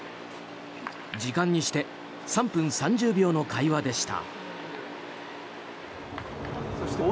時間にして３分３０秒の会話でした。